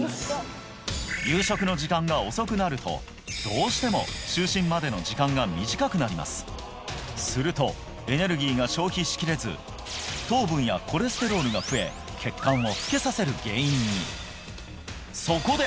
僂夕食の時間が遅くなるとどうしても就寝までの時間が短くなりますするとエネルギーが消費しきれず糖分やコレステロールが増え血管を老けさせる原因にそこで